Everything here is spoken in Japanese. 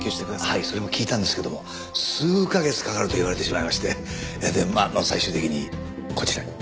はいそれも聞いたんですけども数カ月かかると言われてしまいましてまあ最終的にこちらに。